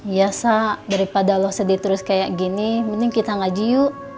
biasa daripada lo sedih terus kayak gini mending kita ngaji yuk